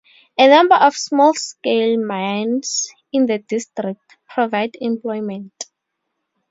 A number of small scale mines in the district provide employment.